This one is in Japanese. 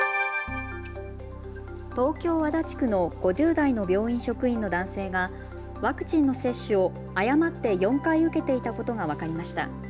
東京足立区の５０代の病院職員の男性がワクチンの接種を誤って４回受けていたことが分かりました。